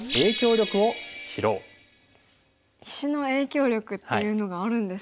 石の影響力っていうのがあるんですか？